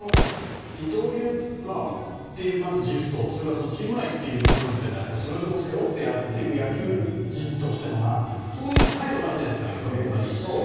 二刀流という自負とそれからチーム愛という部分それを背負ってやっていく野球人としてのそういう態度があるじゃないですか大谷は。